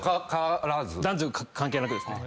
男女関係なくですね。